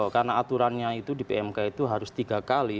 karena aturannya itu di pmk itu harus tiga kali